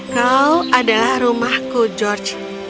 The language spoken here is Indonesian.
kau adalah rumahku george